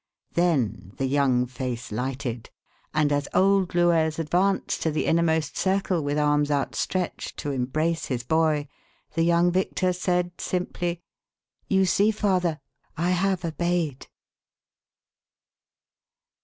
Then the young face lighted, and as old Louès advanced to the innermost circle with arms outstretched to embrace his boy, the young victor said, simply: "You see, father, I have obeyed."